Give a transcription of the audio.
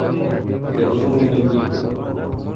Biterwa nubunini bwintebe.